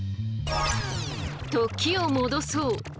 時を戻そう。